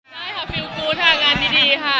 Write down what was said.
ได้ค่ะฟิลกูธค่ะงานดีค่ะ